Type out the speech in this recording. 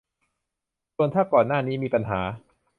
ส่วนถ้าก่อนหน้านี้มีปัญหา